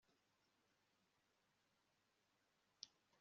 muri iyi supu harimo umunyu mwinshi